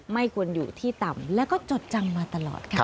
ไม่ควรอยู่ที่ต่ำแล้วก็จดจำมาตลอดค่ะ